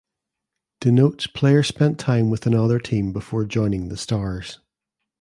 Denotes player spent time with another team before joining the Stars.